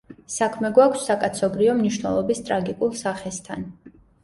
საქმე გვაქვს საკაცობრიო მნიშვნელობის ტრაგიკულ სახესთან.